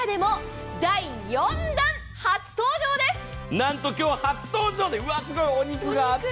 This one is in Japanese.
なんと今日は初登場、すごい！お肉もあって。